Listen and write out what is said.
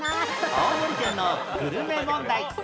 青森県のグルメ問題